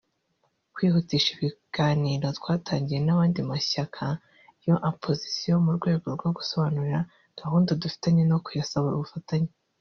Kwihutisha ibiganiro twatangiye n’andi mashyaka ya Opozisiyo mu rwego rwo kuyasobanurira gahunda dufite no kuyasaba ubufatanye